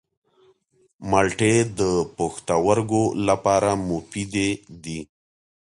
مالټې د پښتورګو لپاره مفیدې دي.